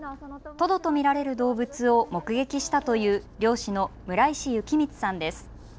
トドと見られる動物を目撃したという漁師の村石幸光さんです。